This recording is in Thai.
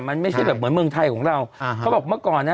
มันไม่ใช่แบบเหมือนเมืองไทยของเราอ่าเขาบอกเมื่อก่อนเนี้ย